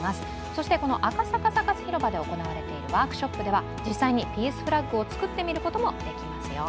そしてこの赤坂サカス広場で行われているワークショップでは実際にピースフラッグを作ってみることもできますよ。